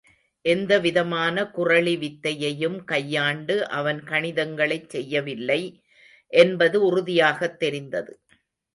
எந்தவிதமான குறளி வித்தையையும் கையாண்டு, அவன் கணிதங்களைச் செய்யவில்லை என்பது உறுதியாகத் தெரிந்தது.